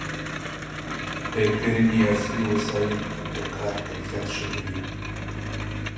د کرنې عصري وسایل د کار کیفیت ښه کوي.